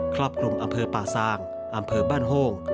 รอบคลุมอำเภอป่าซางอำเภอบ้านโฮ่ง